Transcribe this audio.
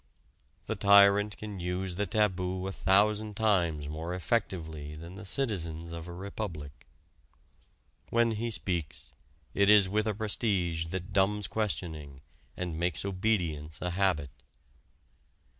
The tyrant can use the taboo a thousand times more effectively than the citizens of a republic. When he speaks, it is with a prestige that dumbs questioning and makes obedience a habit.